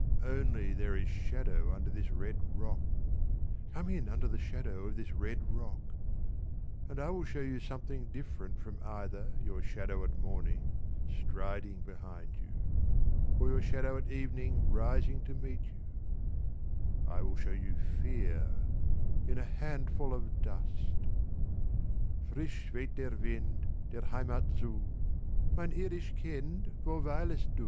Only There is shadow under this red rock, (Come in under the shadow of this red rock), And I will show you something different from either Your shadow at morning striding behind you Or your shadow at evening rising to meet you; I will show you fear in a handful of dust. 30 _Frisch weht der Wind Der Heimat zu Mein Irisch Kind, Wo weilest du?